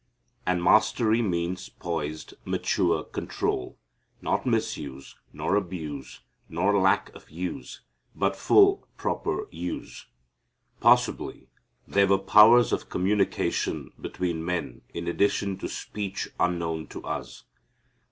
And mastery means poised, mature control, not misuse, nor abuse, nor lack of use, but full proper use. Possibly there were powers of communication between men in addition to speech unknown to us.